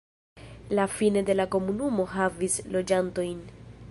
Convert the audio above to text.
La Fine de la komunumo havis loĝantojn.